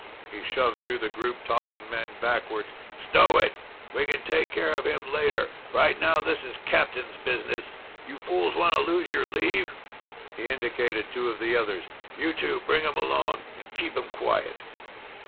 He shoved through the group, tossing men backwards. "Stow it! We can take care of him later. Right now, this is captain's business. You fools want to lose your leave?" He indicated two of the others. "You two bring him along and keep him quiet!"